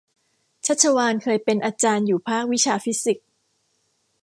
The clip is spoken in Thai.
ชัชวาลเคยเป็นอาจารย์อยู่ภาควิชาฟิสิกส์